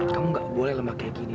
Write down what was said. kamu gak boleh lemah kayak gini